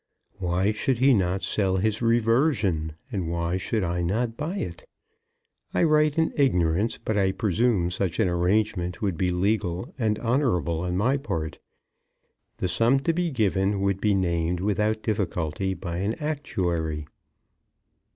Why should he not sell his reversion, and why should I not buy it? I write in ignorance, but I presume such an arrangement would be legal and honourable on my part. The sum to be given would be named without difficulty by an actuary.